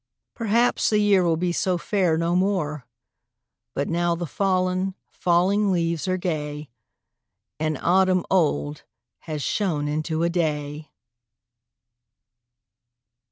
Perhaps the year will be so fair no more, But now the fallen, falling leaves are gay, And autumn old has shone into a Day!